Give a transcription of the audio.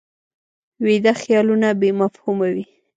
ویده خیالونه بې مفهومه وي